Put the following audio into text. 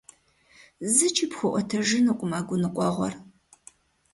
ЗыкӀи пхуэӀуэтэжынукъым а гуныкъуэгъуэр.